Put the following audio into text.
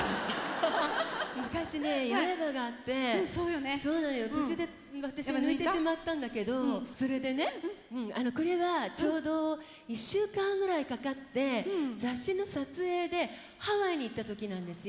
昔ね八重歯があって途中で抜いてしまったんだけどそれでねこれはちょうど１週間ぐらいかかって雑誌の撮影でハワイに行った時なんですよ。